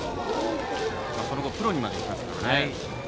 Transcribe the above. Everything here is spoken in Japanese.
その後、プロにまでいきましたからね。